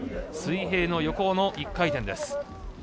水平の横の１回転です。